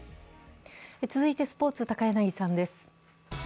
続いてスポーツ、高柳さんです。